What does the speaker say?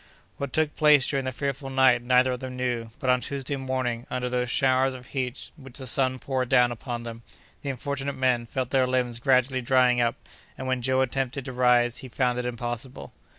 What took place during that fearful night neither of them knew, but, on Tuesday morning, under those showers of heat which the sun poured down upon them, the unfortunate men felt their limbs gradually drying up, and when Joe attempted to rise he found it impossible.